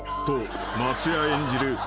［と松也演じる